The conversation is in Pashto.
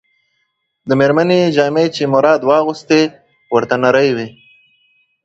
د مېرمنې جامې چې مراد واغوستې، ورته نرۍ وې.